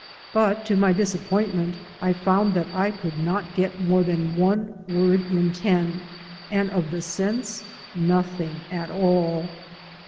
But, to my disappoint ment, I found that I could not get more than one word in ten, and of the sense nothing at all.